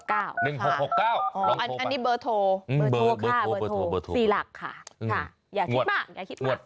๑๖๖๙ลองโทรไปค่ะสี่หลักค่ะอย่าคิดมากอย่าคิดมาก